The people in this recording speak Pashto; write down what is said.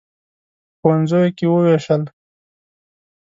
په ښوونځیو کې ووېشل.